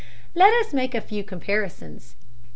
Let us make a few comparisons.